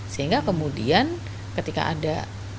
sehingga kemudian ketika ada